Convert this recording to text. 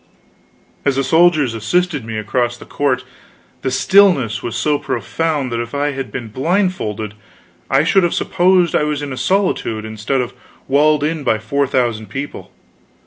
As the soldiers assisted me across the court the stillness was so profound that if I had been blindfold I should have supposed I was in a solitude instead of walled in by four thousand people.